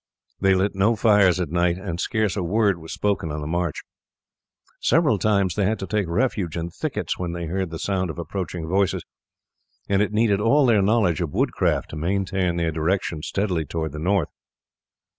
They lit no fires at night, and scarce a word was spoken on the march. Several times they had to take refuge in thickets when they heard the sound of approaching voices, and it needed all their knowledge of woodcraft to maintain their direction steadily towards the north.